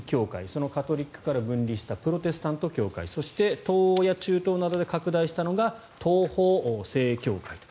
そのカトリックから分離したプロテスタント教会そして、東欧や中東などで拡大したのが東方正教会。